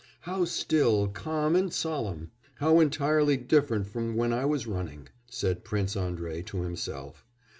"'How still, calm, and solemn! How entirely different from when I was running,' said Prince Andrei to himself.